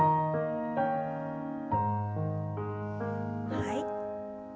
はい。